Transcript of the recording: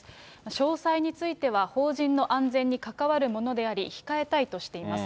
詳細については邦人の安全に関わるものであり、控えたいとしています。